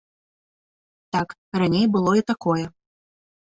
Так, раней было і такое.